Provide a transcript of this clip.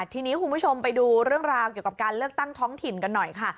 ทีนี้คุณผู้ชมไปดูเรื่องราวเกี่ยวกับการเลือกตั้งท้องถิ่นกันหน่อยค่ะ